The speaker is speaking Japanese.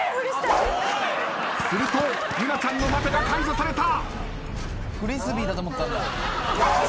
すると由菜ちゃんの待てが解除された。